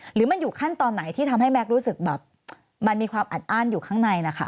หรือมันอยู่ขั้นตอนไหนที่ทำให้แม็กซ์รู้สึกแบบมันมีความอัดอ้านอยู่ข้างในนะคะ